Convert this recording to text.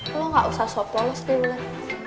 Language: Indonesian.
lo gak usah sop lolos dulu ulan